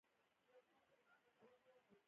الوتکه د انسان سفر اسانه کړی.